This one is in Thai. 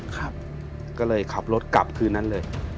ครับก็เลยขับรถกลับคืนนั้นเลย